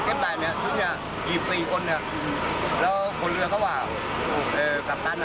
พี่ที่หายไปกับกัปตัน